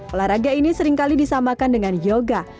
olahraga ini seringkali disamakan dengan yoga